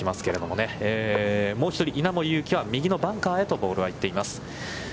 もう１人、稲森佑貴は右のバンカーへとボールが行っています。